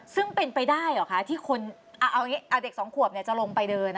ซึ่งเป็นไปได้เหรอคะที่คนเอาเด็กสองขวบจะลงไปเดิน